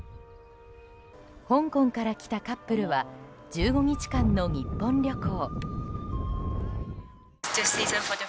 香港から来たカップルは１５日間の日本旅行。